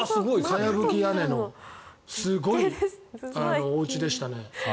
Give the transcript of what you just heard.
かやぶき屋根のすごい家でしたね。